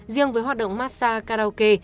riêng với hoạt động massage karaoke